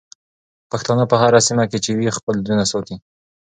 پښتانه په هره سيمه کې چې وي خپل دودونه ساتي.